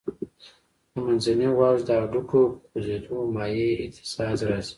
د منځني غوږ د هډوکو په خوځېدو مایع اهتزاز راځي.